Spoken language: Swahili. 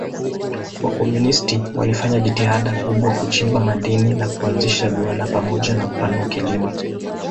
Wakomunisti walifanya jitihada kubwa kuchimba madini na kuanzisha viwanda pamoja na kupanua kilimo.